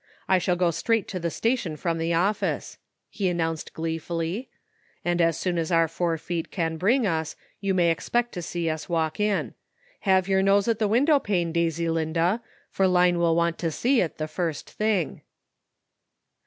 "I shall go straight to the sta tion from the office," he announced gleefully; "and as soon as our four feet can bring us you may expect to see us walk in. Have your nose THE UNEXPECTED HAPPENS. 183 at the window pane, Daisylinda, for Line will want to see it the first thing."